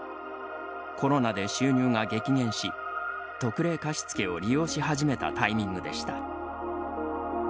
コロナで収入が激減し特例貸付を利用し始めたタイミングでした。